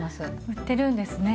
売ってるんですね。